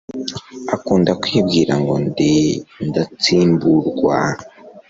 Akunda kwibwira ngo Ndi indatsimburwa